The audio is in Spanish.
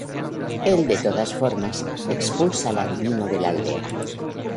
Él de todas formas expulsa al adivino de la aldea.